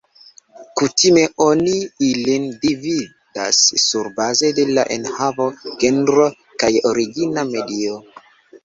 Kutime oni ilin dividas surbaze de la enhavo, genro kaj origina medio.